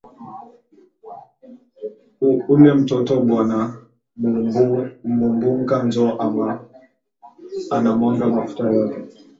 Ule mtoto bana mu bunka njo ana mwanga mafuta yote